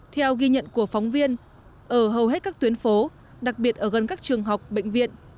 theo ghi nhận của phóng viên ở hầu hết các tuyến phố đặc biệt ở gần các trường học bệnh viện